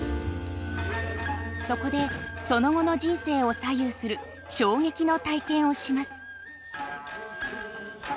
そこでその後の人生を左右する衝撃の体験をします。